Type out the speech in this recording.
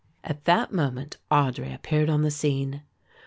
At that moment Audry appeared on the scene.